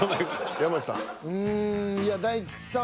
山内さん。